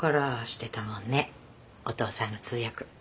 お父さんの通訳。